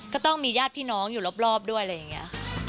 ก็ต้องมีญาติพี่น้องอยู่รอบด้วยอะไรอย่างนี้